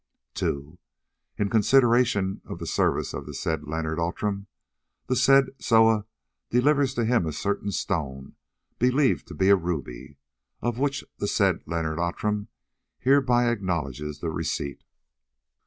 "II. In consideration of the services of the said Leonard Outram, the said Soa delivers to him a certain stone believed to be a ruby, of which the said Leonard Outram hereby acknowledges the receipt.